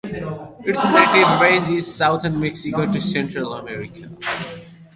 Its native range is Southern Mexico to Central America.